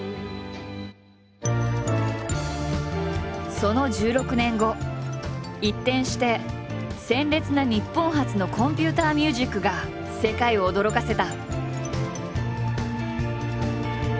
その１６年後一転して鮮烈な日本発のコンピュータミュージックが世界を驚かせた。